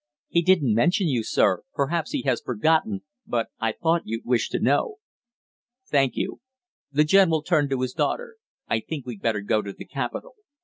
"He didn't mention you, sir; perhaps he has forgotten, but I thought you'd wish to know." "Thank you." The general turned to his daughter. "I think we'd better go to the capitol."